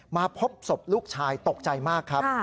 มาพบศพลูกชายตกใจมากครับ